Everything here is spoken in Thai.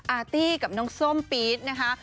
อาร์ตี้กับน้องส้มปี๊ดนะคะ